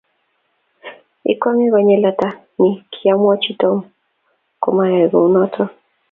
Ikwong'e konyil ata ni kiamwochi Tom komayai kou notok.